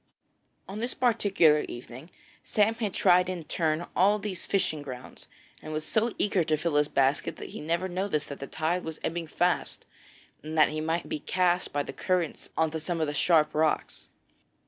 On this particular evening Sam had tried in turn all these fishing grounds, and was so eager to fill his basket that he never noticed that the tide was ebbing fast, and that he might be cast by the currents on to some of the sharp rocks.